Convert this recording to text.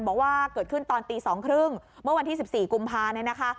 บอกว่าเกิดขึ้นตอนตี๒๓๐เมื่อวันที่๑๔กุมภาเนี่ยนะคะ